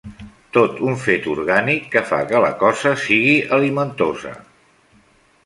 Tot un fet orgànic que fa que la cosa sigui alimentosa.